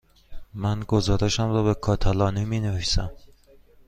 من گزارشم را به کاتالانی می نویسم.